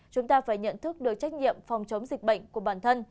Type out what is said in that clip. chúng ta phải nhận thức được trách nhiệm phòng chống dịch bệnh của bản thân